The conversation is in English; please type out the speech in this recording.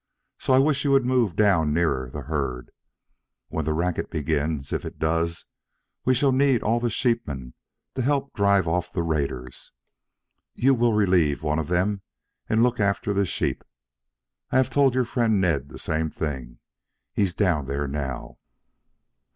So I wish you would move down nearer the herd. When the racket begins, if it does, we shall need all the sheepmen to help drive off the raiders. You will relieve one of them and look after the sheep. I have told your friend Ned the same thing. He's down there now."